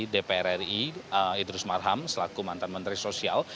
dpr ri idrus marham selaku mantan menteri sosial